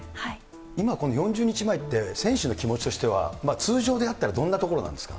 今、この４０日前って、選手の気持ちとしては、通常であったら、どんなところなんですか？